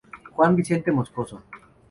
Juan Vicente Moscoso.